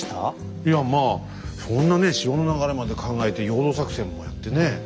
いやまあそんなね潮の流れまで考えて陽動作戦もやってね。